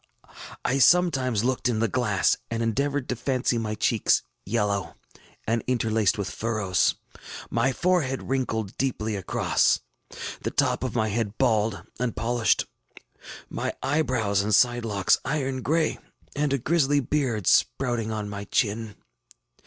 I sometimes looked in the glass, and endeavored to fancy my cheeks yellow and interlaced with furrows, my forehead wrinkled deeply across, the top of my head bald and polished, my eyebrows and side locks iron gray, and a grisly beard sprouting on my chin.